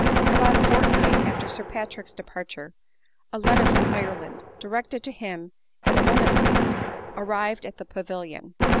About a fortnight after Sir Patrick's departure, a letter from Ireland, direct ed to him in a woman's hand, arrived at the Pavilion.